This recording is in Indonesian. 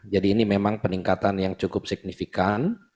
jadi ini memang peningkatan yang cukup signifikan